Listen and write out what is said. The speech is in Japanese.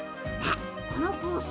このコース。